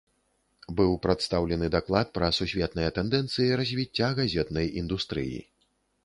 Быў прадстаўлены даклад пра сусветныя тэндэнцыі развіцця газетнай індустрыі.